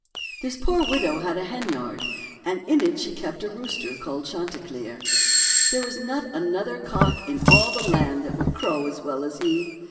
This poor widow had a henyard, and in it she kept a rooster called Chanticleer. There was not another cock in all the land that could crow as well as he.